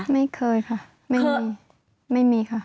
ไม่เคยค่ะไม่มีไม่มีค่ะ